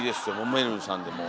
めるるさんでもう。